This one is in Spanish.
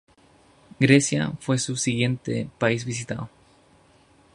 Grecia fue su siguiente país visitado.